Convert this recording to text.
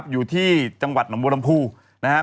อยู่ที่จังหวัดหนำโบรมภูษ์